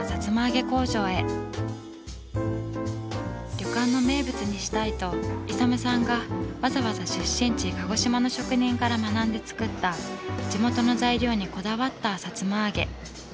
旅館の名物にしたいと勇さんがわざわざ出身地鹿児島の職人から学んで作った地元の材料にこだわったさつま揚げ。